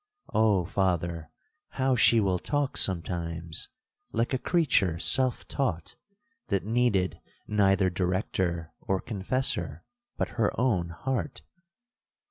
Oh, Father, how she will talk sometimes!—like a creature self taught, that needed neither director or confessor but her own heart.'